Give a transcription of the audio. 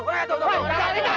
tuh tuh tuh